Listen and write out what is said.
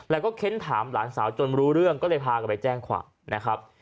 แล้วก็เค้นถามหลานสาวจนรู้เรื่องก็เลยพากันไปแจ้งความนะครับ